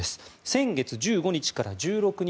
先月１５日から１６日